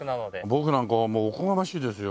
僕なんかがもうおこがましいですよ